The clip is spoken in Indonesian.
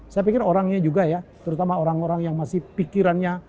saya pikir orangnya juga ya terutama orang orang yang masih pikirannya